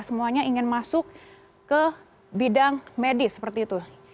semuanya ingin masuk ke bidang medis seperti itu